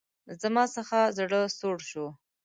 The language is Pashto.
زما څخه زړه سوړ شو.